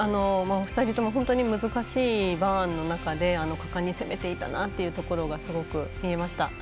お二人とも本当に難しいバーンの中で果敢に攻めていたなというのがすごく見えました。